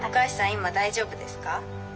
今大丈夫ですか？